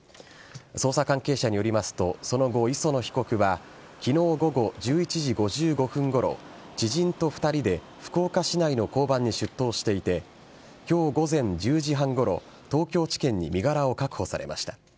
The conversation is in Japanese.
捜査関係者によりますとその後、磯野被告は昨日、午後１１時５５分ごろ知人と２人で福岡市内の交番に出頭していて今日、午前１０時半ごろ東京地検に身柄を確保されました。